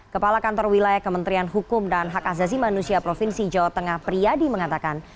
kepala kantor wilayah kementerian hukum dan hak azazi manusia provinsi jawa tengah priyadi mengatakan